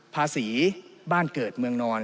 ภาษีบ้านเกิดเมืองนอน